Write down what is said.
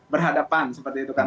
berhadapan seperti itu kan